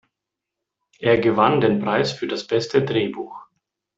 Er gewann den Preis für das beste Drehbuch.